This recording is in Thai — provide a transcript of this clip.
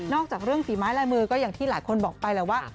จากเรื่องฝีไม้ลายมือก็อย่างที่หลายคนบอกไปแหละว่า